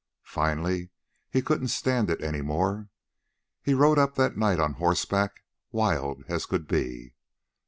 Finally, he couldn't stand it any more. He rode up that night on horseback, wild as could be.